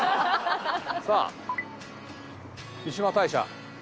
さあ三嶋大社。